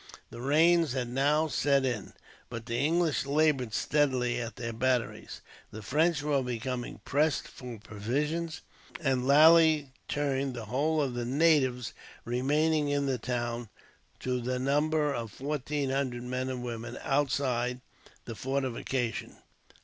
The rains had now set in, but the English laboured steadily at their batteries. The French were becoming pressed for provisions, and Lally turned the whole of the natives remaining in the town, to the number of fourteen hundred men and women, outside the fortifications.